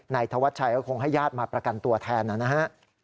นายทวชชายก็คงให้ญาติมาประกันตัวแทนน่ะนะฮะ